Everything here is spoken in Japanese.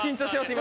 今。